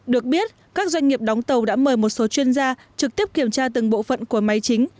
được biết các doanh nghiệp đóng tàu đã mời một số chuyên gia trực tiếp kiểm tra từng bộ phận của máy chính